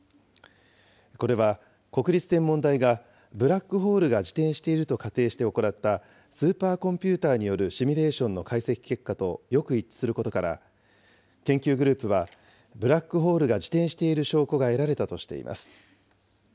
これは国立天文台が、ブラックホールが自転していると仮定して行ったスーパーコンピューターによるシミュレーションの解析結果とよく一致することから、研究グループはブラックホールが自転している証拠が得られたとしています。